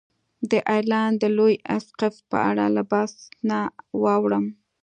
د ایرلنډ د لوی اسقف په اړه له بحث نه واوړم.